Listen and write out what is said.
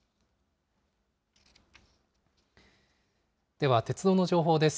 では鉄道の情報です。